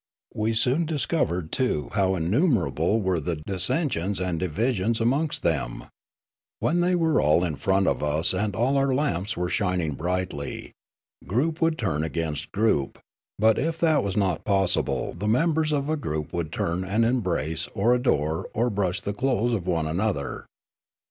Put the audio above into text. We soon discovered, too, how innumerable were the dissensions and divisions amongst them. When they were all in front of us and all our lamps were shining brightly, group would turn against group ; but if that was not possible the members of a group would turn and embrace, or adore, or brush the clothes of one another.